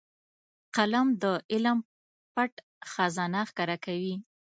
قلم د علم پټ خزانه ښکاره کوي